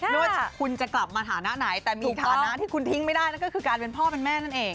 ไม่ว่าคุณจะกลับมาฐานะไหนแต่มีฐานะที่คุณทิ้งไม่ได้นั่นก็คือการเป็นพ่อเป็นแม่นั่นเอง